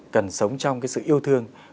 cần sống trong cái sự yêu thương